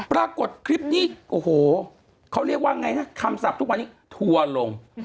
ปรากฏคลิปนี้โอ้โหเขาเรียกว่าไงนะคำศัพท์ทุกวันนี้ทัวร์ลง